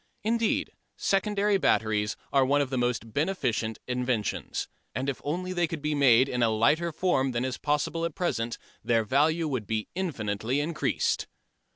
Indeed secondary batteries are one of the most beneficent inventions. And if only they could be made in a lighter form than is possible at present their value would be infinitely increased.